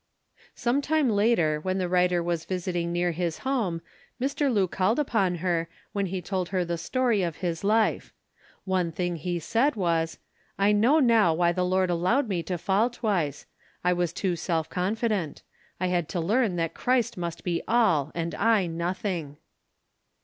Some time later when the writer was visiting near his home, Mr. Lu called upon her when he told her the story of his life. One thing he said was, "I know now why the Lord allowed me to fall twice. I was too self confident. I had to learn that Christ must be all and I nothing."